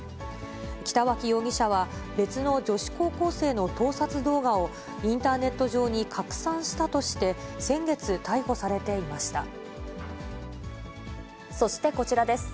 北脇容疑者は、別の女子高校生の盗撮動画をインターネット上に拡散したとして、そしてこちらです。